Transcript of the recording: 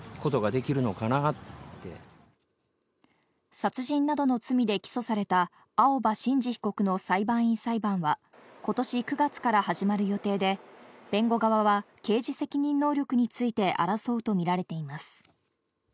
殺人などの罪で起訴された青葉真司被告の裁判員裁判はことし９月から始まる予定で、弁護側は刑事責任能力について争うとみられています。